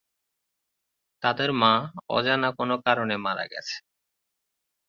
তাদের মা অজানা কোন কারণে মারা গেছে।